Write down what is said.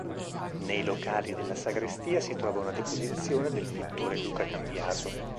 Nei locali della sagrestia si trova una "Deposizione" del pittore Luca Cambiaso.